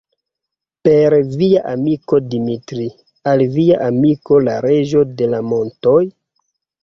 Per via amiko Dimitri, al via amiko la Reĝo de la montoj?